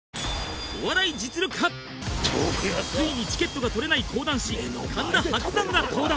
ついにチケットが取れない講談師神田伯山が登壇